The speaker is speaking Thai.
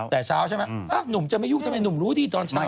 แต่เช้าใช่ไหมหนุ่มจะไม่ยุ่งทำไมหนุ่มรู้ดีตอนเช้า